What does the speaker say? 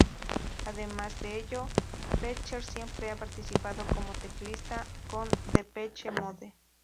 Además de ello, Fletcher siempre ha participado como teclista con Depeche Mode.